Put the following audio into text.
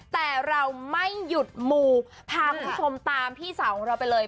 แต่เราไม่หยุดมูพาคุณผู้ชมตามพี่สาวของเราไปเลย